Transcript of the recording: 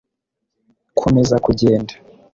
komeza kugenda